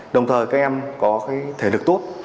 đồng thời các em có thể lực tốt